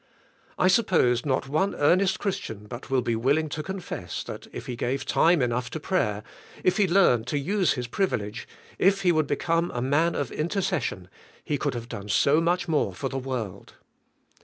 I suppose not one earnest Chris tian but will be willing to confess, that if he gave time enough to prayer, if he learned to use his privi lege, if he would become a man of intercession, he could have done so much more for the v\^orld.